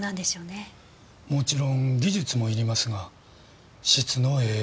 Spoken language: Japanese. もちろん技術もいりますが質のええ